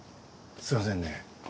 すみませんね。